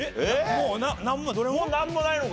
もうなんもないのか。